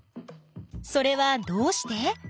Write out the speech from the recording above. それはどうして？